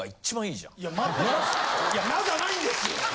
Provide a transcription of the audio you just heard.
いや「な？」じゃないんですよ！